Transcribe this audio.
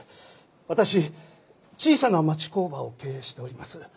私小さな町工場を経営しております